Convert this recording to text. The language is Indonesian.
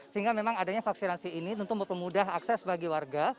sehingga memang adanya vaksinasi ini tentu mempermudah akses bagi warga